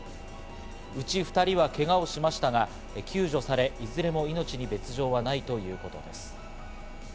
うち２人はけがをしましたが、救助され、いずれも命に別条はないということです。